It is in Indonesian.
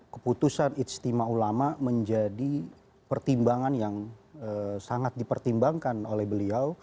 keputusan istimewa ulama menjadi pertimbangan yang sangat dipertimbangkan oleh beliau